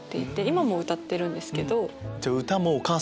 今も歌ってるんですけど。